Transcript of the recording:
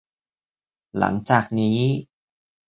หลังจากนี้